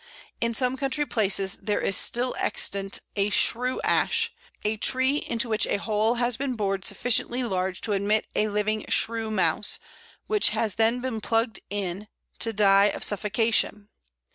In some country places there is still extant a "Shrew Ash" a tree into which a hole has been bored sufficiently large to admit a living shrew mouse, which has then been plugged in, to die of suffocation.